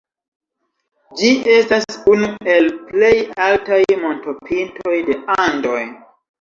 Ĝi estas unu el plej altaj montopintoj de Andoj.